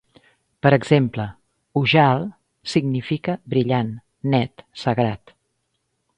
Per exemple, Ujjal significa "brillant, net, sagrat".